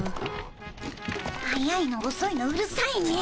速いのおそいのうるさいね。